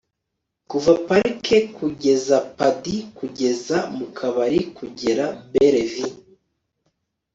kuva parike kugeza padi kugeza mukabari kugera bellevue